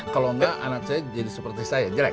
kalau enggak anak saya jadi seperti saya jelek